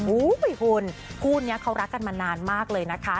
อุ้ยคุณคู่นี้เขารักกันมานานมากเลยนะคะ